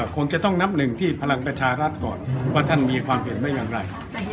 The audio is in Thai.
คงจะต้องนับหนึ่งที่พลังประชารัฐก่อนว่าท่านมีความเห็นว่าอย่างไร